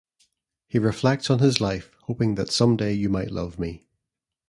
He reflects on his life, hoping that Someday You Might Love Me.